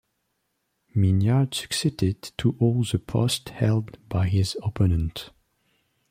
Mignard succeeded to all the posts held by his opponent.